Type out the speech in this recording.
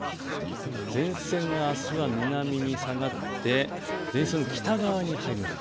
前線があすは南に下がって前線の北側に入ります。